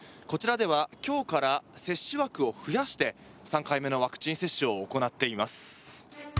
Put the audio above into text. こちらでは今日から接種枠を増やして３回目のワクチン接種を行っています。